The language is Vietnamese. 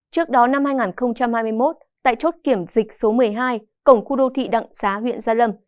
trước đó năm hai nghìn hai mươi một tại chốt kiểm dịch số một mươi hai cổng khu đô thị đặng xá huyện gia lâm